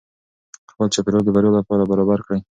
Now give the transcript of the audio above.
خپل چاپیریال د بریا لپاره برابر کړئ.